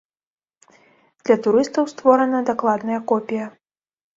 Для турыстаў створана дакладная копія.